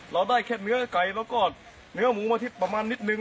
เราได้แค่เนื้อไก่แล้วก็เนื้อหมูมาที่ประมาณนิดนึง